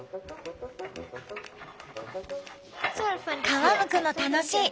皮むくの楽しい。